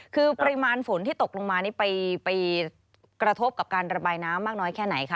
คือปริมาณฝนที่ตกลงมานี่ไปกระทบกับการระบายน้ำมากน้อยแค่ไหนคะ